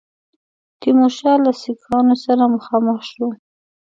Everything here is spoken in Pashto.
تیمورشاه له سیکهانو سره مخامخ شو.